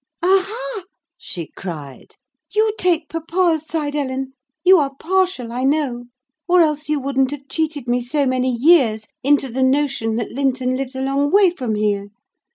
"Aha!" she cried, "you take papa's side, Ellen: you are partial I know; or else you wouldn't have cheated me so many years into the notion that Linton lived a long way from here.